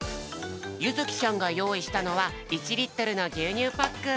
ゆづきちゃんがよういしたのは１リットルのぎゅうにゅうパック！